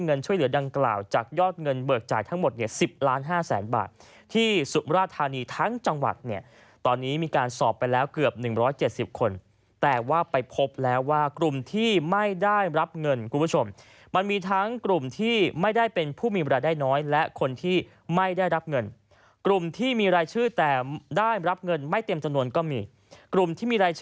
เงินช่วยเหลือดังกล่าวจากยอดเงินเบิกจ่ายทั้งหมด